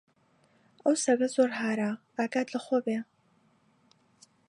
ئەو سەگە زۆر هارە، ئاگات لە خۆ بێ!